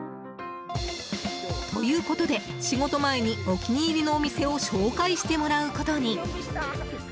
ということで、仕事前にお気に入りのお店を紹介してもらうことに。